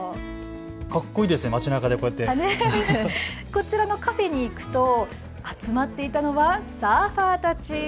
こちらのカフェに行くと集まっていたのはサーファーたち。